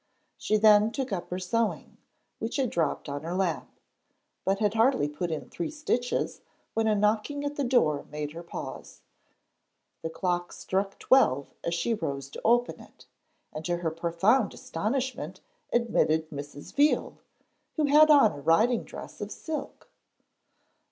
She then took up her sewing, which had dropped on her lap, but had hardly put in three stitches when a knocking at the door made her pause. The clock struck twelve as she rose to open it, and to her profound astonishment admitted Mrs. Veal, who had on a riding dress of silk.